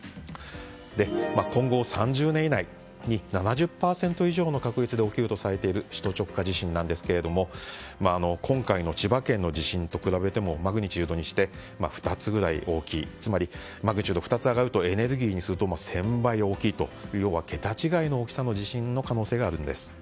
今後３０年以内に７０％以上の確率で起きるとされている首都直下地震ですけれども今回の千葉県の地震と比べてもマグニチュードにして２つくらい大きいつまり、マグニチュードが２つ上がるとエネルギーにすると１０００倍大きいという桁違いの大きさの地震の可能性があるんです。